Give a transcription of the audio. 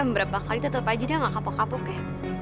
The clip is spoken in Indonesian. beberapa kali tetap aja dia gak kapok kapok ya